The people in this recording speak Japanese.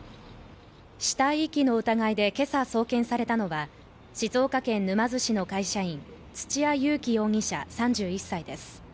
死体遺棄の疑いでけさ送検されたのは静岡県沼津市の会社員土屋勇貴容疑者３１歳です。